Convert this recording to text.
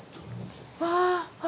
わあ。